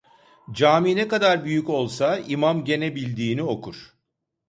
Cami ne kadar büyük olsa imam gene bildiğini okur.